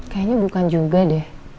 kayaknya bukan juga deh